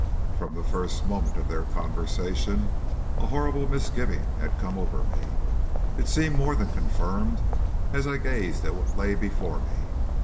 From the first moment of their conversation a horrible misgiving had come over me. It seemed more than confirmed as I gazed at what lay before me.